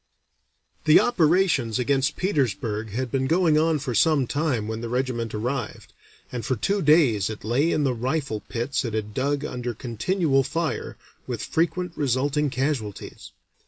The operations against Petersburg had been going on for some time when the regiment arrived, and for two days it lay in the rifle pits it had dug under continual fire, with frequent resulting casualties.